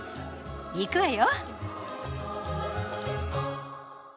行くわよ！